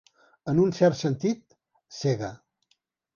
En un cert sentit, cega.